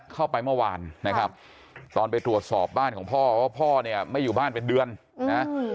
เข้าไปเมื่อวานนะครับตอนไปตรวจสอบบ้านของพ่อว่าพ่อเนี่ยไม่อยู่บ้านเป็นเดือนนะ